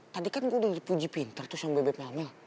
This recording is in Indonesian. tadi kan gue udah dipuji pinter tuh sama bbm